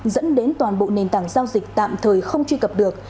dẫn đến toàn bộ nền tảng giao dịch tạm thời không truy cập được